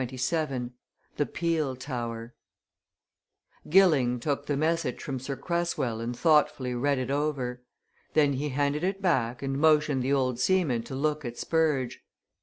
CHAPTER XXVII THE PEEL TOWER Gilling took the message from Sir Cresswell and thoughtfully read it over. Then he handed it back and motioned the old seaman to look at Spurge.